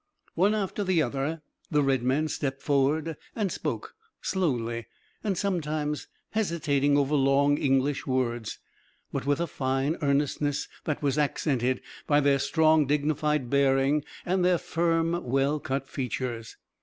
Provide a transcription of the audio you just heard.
One after the other the red men stepped forward and spoke, slowly, and sometimes hesitating over long English words, but with a fine earnestness that was accented by their strong, dignified bearing and their firm, well cut features.